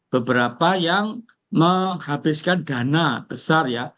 beberapa yang menghabiskan dana besar ya